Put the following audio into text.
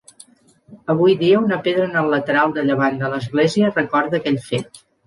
Avui dia una pedra en el lateral de llevant de l'església recorda aquell fet.